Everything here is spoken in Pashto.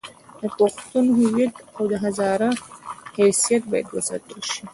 د پښتون هویت او د هزاره حیثیت باید وساتل شي.